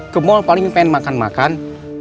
ke mal paling pengen makan makan